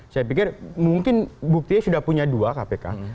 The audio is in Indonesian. saya pikir mungkin buktinya sudah punya dua kpk